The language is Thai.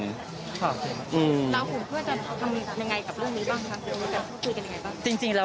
แล้วกลุ่มเพื่อนจะทำยังไงกับเรื่องนี้บ้างคะมีการพูดคุยกันยังไงบ้าง